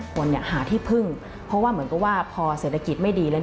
คนเนี่ยหาที่พึ่งเพราะว่าเหมือนกับว่าพอเศรษฐกิจไม่ดีแล้ว